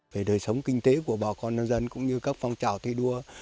về đời sống kinh tế của bà con nhân dân cũng như các phong trào thi đua